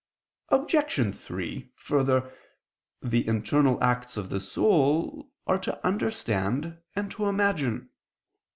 Obj. 3: Further, the internal acts of the soul are to understand and to imagine.